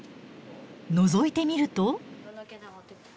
のぞいてみると。